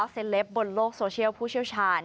เซลปบนโลกโซเชียลผู้เชี่ยวชาญ